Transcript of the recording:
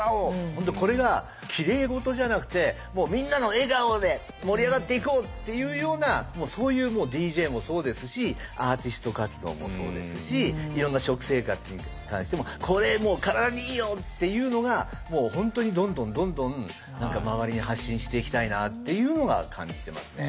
本当にこれがきれい事じゃなくてみんなの笑顔で盛り上がっていこう！っていうようなそういうＤＪもそうですしアーティスト活動もそうですしいろんな食生活に関してもこれ体にいいよっていうのが本当にどんどんどんどん周りに発信していきたいなっていうのが感じてますね。